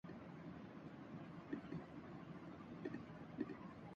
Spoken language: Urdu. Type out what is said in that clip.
ایک دن مکمل ہو ہی جاتا یے